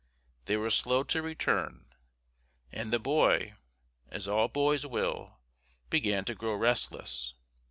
They were slow to return, and the boy, as all boys will, began to grow restless.